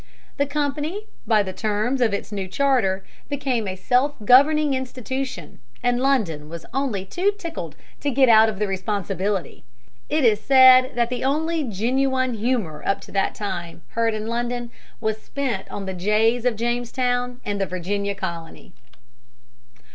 The company, by the terms of its new charter, became a self governing institution, and London was only too tickled to get out of the responsibility. It is said that the only genuine humor up to that time heard in London was spent on the jays of Jamestown and the Virginia colony.